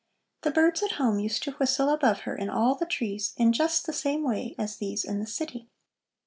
The birds at home used to whistle above her in all the trees in just the same way as these in the city.